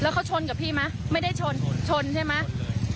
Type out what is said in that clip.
แล้วเขาชนกับพี่มั้ยไม่ได้ชนใช่มั้ยชน